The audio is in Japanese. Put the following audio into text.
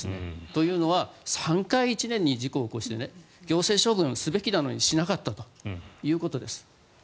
というのは１年に３回事故を起こして行政処分すべきなのにしなかったということです。